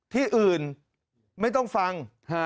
ที่อื่นไม่ต้องฟัง